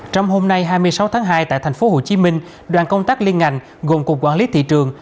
trong hôm nay hai mươi sáu tháng hai tại tp hcm đoàn công tác liên ngành gồm cục quản lý thị trường